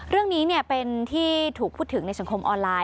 เรื่องนี้เป็นที่ถูกพูดถึงในสังคมออนไลน